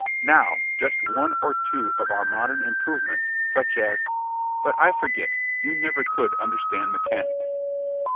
Now, just one or two of our modern improvements, such as but I forget, you never could understand mechanics."